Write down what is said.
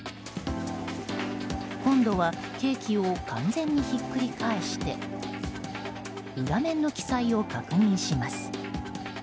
今度はケーキを完全にひっくり返して裏面の記載を確認します。